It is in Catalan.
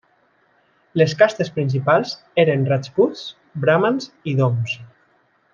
Les castes principals eren rajputs, bramans i doms.